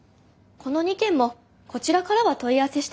この２件もこちらからは問い合わせしていません。